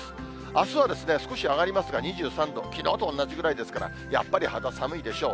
あすは少し上がりますが、２３度、きのうとおんなじぐらいですから、やっぱり、肌寒いでしょう。